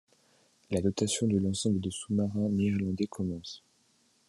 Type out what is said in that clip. La dotation de l'ensemble des sous-marins néerlandais commence.